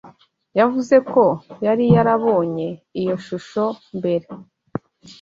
Yavuze ko yari yarabonye iyo shusho mbere.